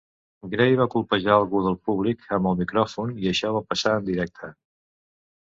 Gray va colpejar algú del públic amb el micròfon, i això va passar en directe.